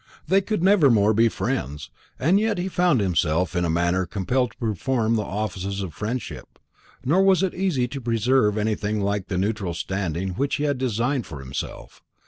They could never more be friends; and yet he found himself in a manner compelled to perform the offices of friendship. Nor was it easy to preserve anything like the neutral standing which he had designed for himself.